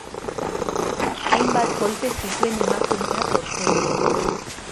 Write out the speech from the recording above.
Hainbat golpe zituen emakumeak aurpegian.